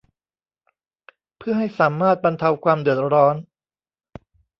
เพื่อให้สามารถบรรเทาความเดือดร้อน